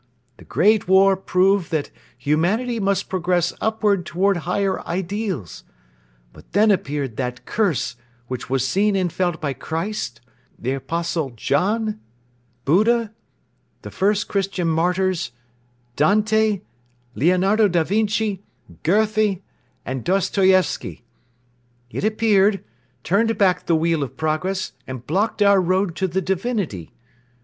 The Great War proved that humanity must progress upward toward higher ideals; but then appeared that Curse which was seen and felt by Christ, the Apostle John, Buddha, the first Christian martyrs, Dante, Leonardo da Vinci, Goethe and Dostoyevsky. It appeared, turned back the wheel of progress and blocked our road to the Divinity.